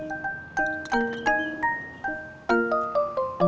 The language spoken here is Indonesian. nampaknya juga ini dia kan gitu